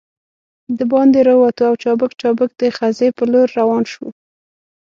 دباندې راووتو او چابک چابک د خزې په لور روان شوو.